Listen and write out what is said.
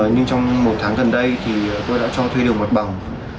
nhưng trong một tháng gần đây thì tôi đã cho thuê được mặt bằng